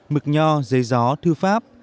mực nho dây gió thư pháp